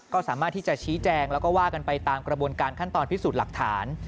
ก็สามารถที่จะชี้แจงแล้วก็ว่ากันไปตามกระบวนการขั้นตอนพิสูจน์หลักฐาน